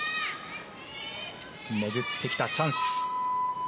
巡ってきたチャンス。